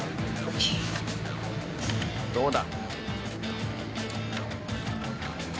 どうだ？